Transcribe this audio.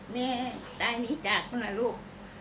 แม่ตายนี้จากคุณลูก